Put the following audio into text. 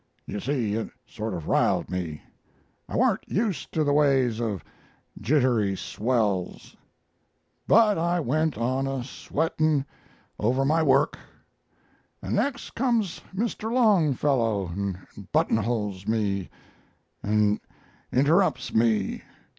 You see, it sort of riled me I warn't used to the ways of Jittery swells. But I went on a sweating over my work, and next comes Mr. Longfellow and buttonholes me and interrupts me.